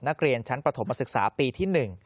นักเรียนชั้นประถมศึกษาปีที่๑